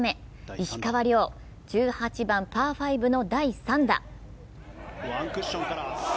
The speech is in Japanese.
石川遼、１８番パー５の第３打。